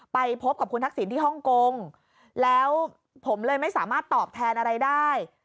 ไปพบกับคุณทักษิณที่ฮ่องกงแล้วผมเลยไม่สามารถตอบแทนอะไรได้